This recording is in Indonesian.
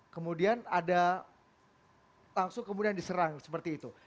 kemudian ada langsung kemudian diserang seperti itu